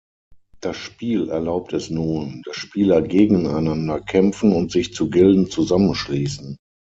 Das Spiel erlaubt es nun, dass Spieler gegeneinander kämpfen und sich zu Gilden zusammenschließen.